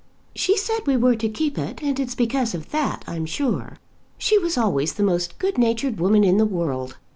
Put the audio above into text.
"She said we were to keep it, and it's because of that, I'm sure. She was always the most good natured woman in the world.